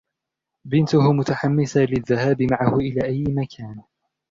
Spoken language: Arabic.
بنته متحمسة للذهاب معه إلى أي مكان.